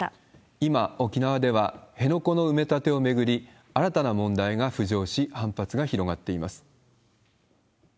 今、沖縄では辺野古の埋め立てを巡り、新たな問題が浮上し、反発が広がっています。